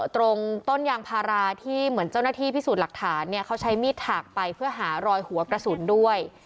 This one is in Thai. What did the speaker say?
ตรงต้นยางพาราที่เหมือนเจ้าหน้าที่พิสูจน์หลักฐานเนี่ยเขาใช้มีดถากไปเพื่อหารอยหัวกระสุนด้วย